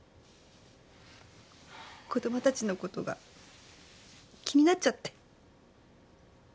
子供たちのことが気になっちゃって。